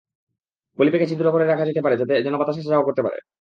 পলিপ্যাকে ছিদ্র করে রাখা যেতে পারে যেন বাতাস আসা-যাওয়া করতে পারে।